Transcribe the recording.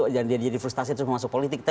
dan dia jadi frustasi terus masuk politik